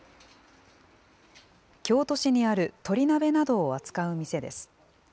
京都市にある鳥なべなどを扱う店です。